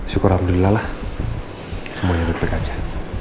syukurabdulillah lah semuanya diterima aja